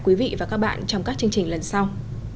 quý vị và các bạn trong các chương trình lần sau